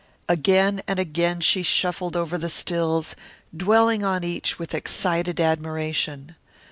Again and again she shuffled over the stills, dwelling on each with excited admiration.